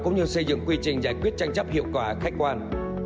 cũng như xây dựng quy trình giải quyết tranh chấp hiệu quả khách quan